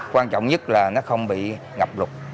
quan trọng nhất là nó không bị ngập lụt